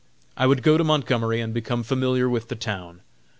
I would go to Montgomery and become familiar with the town.